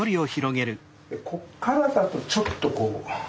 こっからだとちょっとこう。